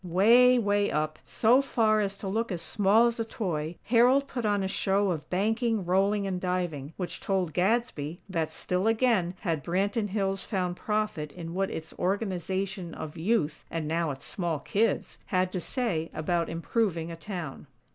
Way, way up, so far as to look as small as a toy, Harold put on a show of banking, rolling and diving, which told Gadsby that, still again, had Branton Hills found profit in what its Organization of Youth, and, now, its small kids, had to say about improving a town.